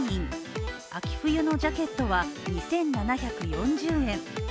秋冬のジャケットは２７４０円。